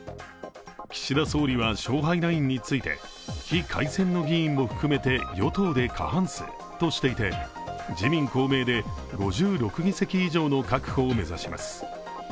岸田総理は勝敗ラインについて非改選の議員も含めて与党で過半数としていて、自民・公明で５６議席以上の確保を目指します。